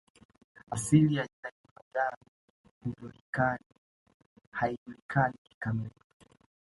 Asili ya jina Kilimanjaro haijulikani kikamilifu